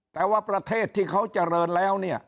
แต่ว่าประเทศที่เขาเจริญแล้วเนี่ย